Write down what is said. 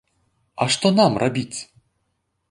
А што нам рабіць?